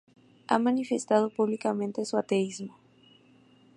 Ha manifestado públicamente su ateísmo.